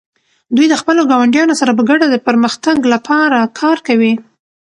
دوی د خپلو ګاونډیانو سره په ګډه د پرمختګ لپاره کار کوي.